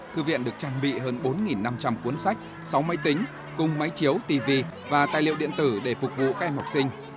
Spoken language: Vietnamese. thư viện được trang bị hơn bốn năm trăm linh cuốn sách sáu máy tính cùng máy chiếu tv và tài liệu điện tử để phục vụ các em học sinh